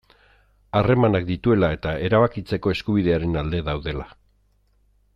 Harremanak dituela eta erabakitzeko eskubidearen alde daudela.